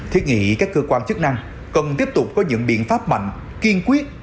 thiết nghĩ các cơ quan chức năng cần tiếp tục có những biện pháp mạnh kiên quyết